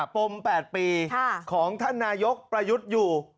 ปม๘ปีของท่านนายกประยุทธ์อยู่